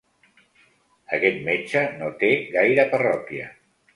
Aquest metge no té gaire parròquia.